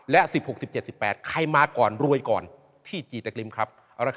และ๑๖๑๗๑๘ใครมาก่อนรวยก่อนที่จีตะกริมครับ